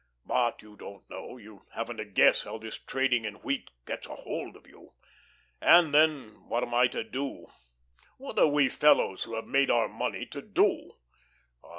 But you don't know, you haven't a guess how this trading in wheat gets a hold of you. And, then, what am I to do? What are we fellows, who have made our money, to do?